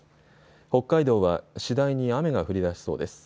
北海道は次第に雨が降りだしそうです。